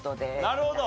なるほど！